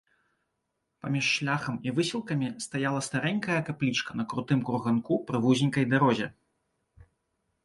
Паміж шляхам і выселкамі стаяла старэнькая каплічка на крутым курганку пры вузенькай дарозе.